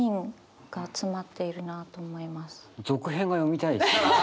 続編が読みたいですよね。